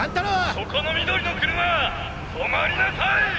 そこの緑の車止まりなさい！